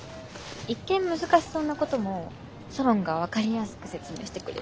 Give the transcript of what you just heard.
一見難しそうなこともソロンが分かりやすく説明してくれるし。